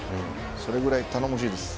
それぐらい頼もしいです。